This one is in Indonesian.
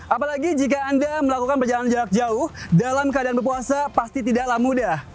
apalagi jika anda melakukan perjalanan jarak jauh dalam keadaan berpuasa pasti tidaklah mudah